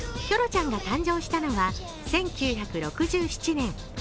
キョロちゃんが誕生したのは１９６７年。